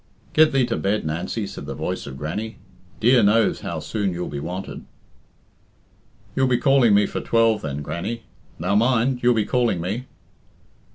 "Get thee to bed, Nancy," said the voice of Grannie. "Dear knows how soon you'll be wanted." "You'll be calling me for twelve, then, Grannie now, mind, you'll be calling me."